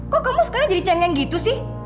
kok kamu sekarang jadi cengeng gitu sih